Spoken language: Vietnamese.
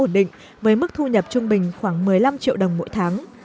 hùng đã ổn định với mức thu nhập trung bình khoảng một mươi năm triệu đồng mỗi tháng